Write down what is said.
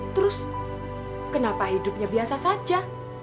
terus kenapa hidupnya biasa saja